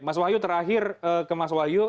mas wahyu terakhir ke mas wahyu